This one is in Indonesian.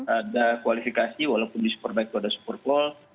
ada kualifikasi walaupun di superbaik itu ada super bowl